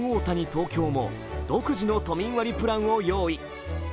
東京も独自の都民割プランを用意。